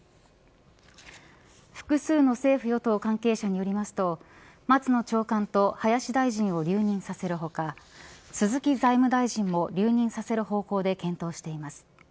複数の政府与党関係者によりますと松野長官と林大臣を留任させる他鈴木財務大臣も留任させる方向で検討しています。